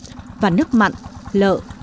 nước mặn lợ và nước mặn lợ